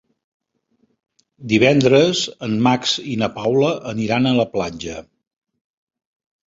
Divendres en Max i na Paula aniran a la platja.